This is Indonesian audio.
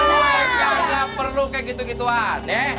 lu enggak perlu kayak gitu gituan